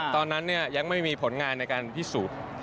ตอนนั้นยังไม่มีผลงานในการพิสูจน์